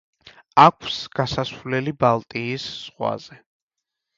აქვს გასასვლელი ბალტიის ზღვაზე.